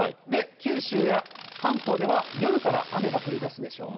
九州や関東では夜から雨が降りだすでしょう。